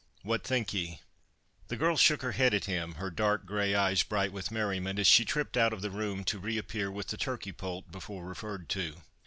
What think ye?" The girl shook her head at him, her dark, grey eyes bright with merriment, as she tripped out of the room, to reappear with the turkey poult before referred to.